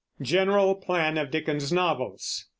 GENERAL PLAN OF DICKENS'S NOVELS.